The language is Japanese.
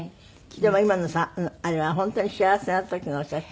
でも今のあれは本当に幸せな時のお写真。